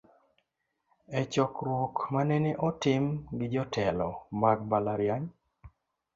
E chokruok manene otim gi jotelo mag mbalariany